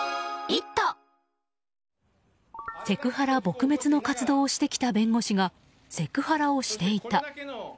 セクハラ撲滅の活動をしてきた弁護士がセクハラをしていた。